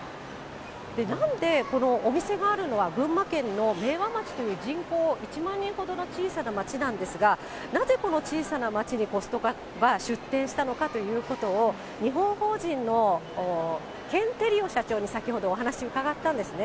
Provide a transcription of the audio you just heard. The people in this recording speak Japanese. なんで、お店があるのは群馬県の明和町という人口１万人ほどの小さな町なんですが、なぜこの小さな町にコストコは出店したのかということを、日本法人のケン・テリオ社長に先ほどお話伺ったんですね。